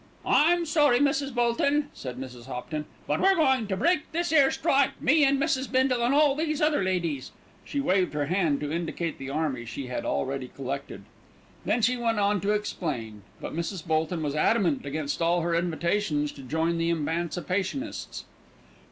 "I'm sorry, Mrs. Bolton," said Mrs. Hopton; "but we're going to break this 'ere strike, me and Mrs. Bindle and all these other ladies." She waved her hand to indicate the army she had already collected. Then she went on to explain; but Mrs. Bolton was adamant against all her invitations to join the emancipationists.